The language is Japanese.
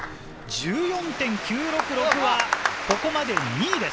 １４．９６６はここまで２位です。